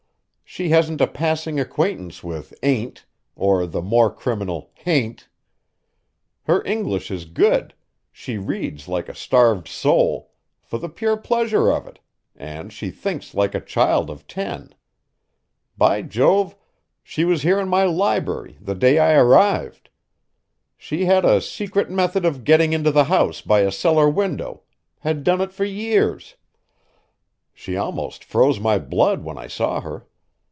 She hasn't a passing acquaintance with 'ain't,' or the more criminal 'hain't.' Her English is good, she reads like a starved soul, for the pure pleasure of it; and she thinks like a child of ten. By Jove! she was here in my library, the day I arrived. She had a secret method of getting into the house by a cellar window, had done it for years. She almost froze my blood when I saw her.